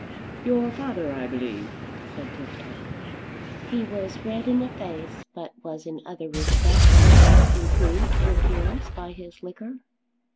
"Your father, I believe?" said Tifto. He was red in the face but was in other respects perhaps improved in appearance by his liquor.